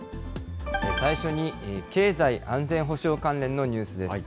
最初に、経済安全保障関連のニュースです。